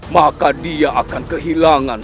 maka dia akan kehilangan